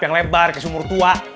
yang lebar kesumur tua